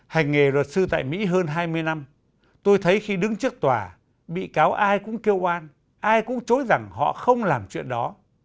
hành nghề luật sư tại mỹ hơn hai mươi năm tôi thấy khi đứng trước tòa bị cáo ai cũng kêu an ai cũng chối rằng họ không làm chuyện đó